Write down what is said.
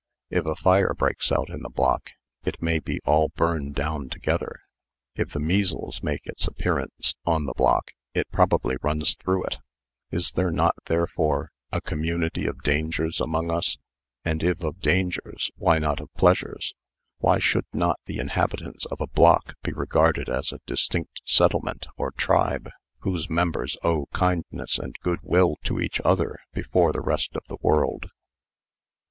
If a fire breaks out in the block, it may be all burned down together. If the measles makes its appearance on the block, it probably runs through it. Is there not, therefore, a community of dangers among us; and if of dangers, why not of pleasures? Why should not the inhabitants of a block be regarded as a distinct settlement, or tribe, whose members owe kindness and goodwill to each other before the rest of the world?